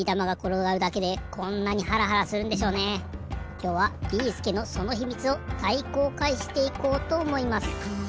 きょうはビーすけのその秘密を大公開していこうとおもいます。